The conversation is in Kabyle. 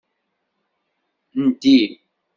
Ndi.